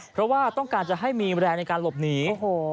เพราะว่าต้องการจะให้มีแรงในการหลบหนี